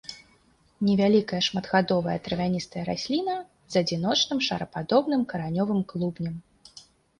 Невялікая шматгадовая травяністая расліна з адзіночным шарападобным каранёвым клубнем.